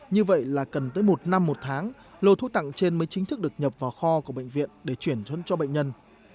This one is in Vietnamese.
như vậy là cần tới một năm một tháng lô thuốc tặng trên mới chính thức được nhập vào kho của bệnh viện để chuyển hướng cho bệnh nhân